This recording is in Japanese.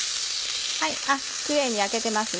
キレイに焼けてますね